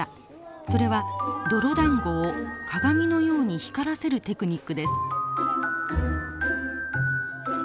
それは泥だんごを鏡のように光らせるテクニックです。